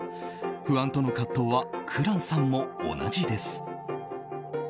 不安との葛藤は紅蘭さんも同じです。